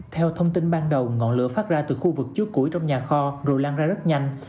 theo thông tin ban đầu ngọn lửa phát ra từ khu vực trước củi trong nhà kho rồi lan ra rất nhanh